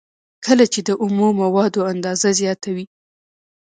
کله چې د اومو موادو اندازه زیاته وي